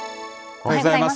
おはようございます。